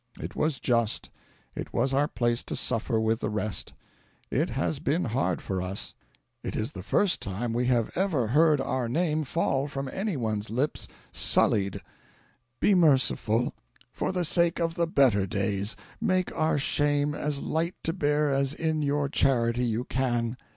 It was just; it was our place to suffer with the rest. It has been hard for us. It is the first time we have ever heard our name fall from any one's lips sullied. Be merciful for the sake or the better days; make our shame as light to bear as in your charity you can."